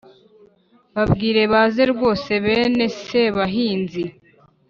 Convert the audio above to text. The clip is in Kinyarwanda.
babwire baze rwose! bene sebahinzi